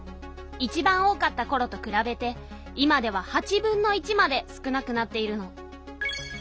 いちばん多かったころとくらべて今では８分の１まで少なくなっているの。